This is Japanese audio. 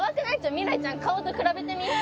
未来ちゃん顔と比べてみ？